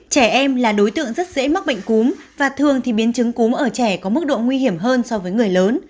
trẻ em là đối tượng rất dễ mắc bệnh cúm và thường thì biến chứng cúm ở trẻ có mức độ nguy hiểm hơn so với người lớn